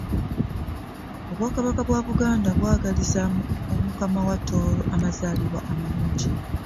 Obwakabaka bwa Buganda bwagaliza Omukama wa Tooro amazaalibwa amalungi.